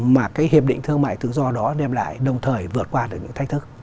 mà cái hiệp định thương mại tự do đó đem lại đồng thời vượt qua được những thách thức